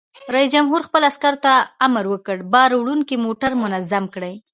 رئیس جمهور خپلو عسکرو ته امر وکړ؛ بار وړونکي موټر منظم کړئ!